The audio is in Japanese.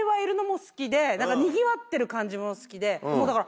にぎわってる感じも好きで。というか。